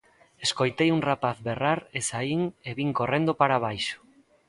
Escoitei un rapaz berrar e saín e vin correndo para abaixo.